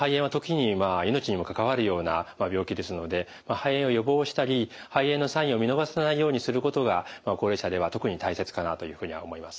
肺炎を予防したり肺炎のサインを見逃さないようにすることが高齢者では特に大切かなというふうには思います。